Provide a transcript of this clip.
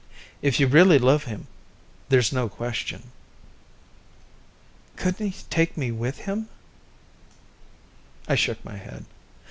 If you really love him there's no question." "Couldn't he take me with him?" I shook my head.